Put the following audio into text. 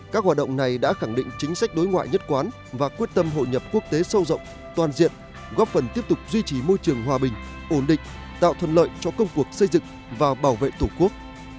các hoạt động này đã khẳng định chính sách đối ngoại nhất quán và quyết tâm hội nhập quốc tế sâu rộng toàn diện góp phần tiếp tục duy trì môi trường hòa bình ổn định tạo thuận lợi cho công cuộc xây dựng và bảo vệ tổ quốc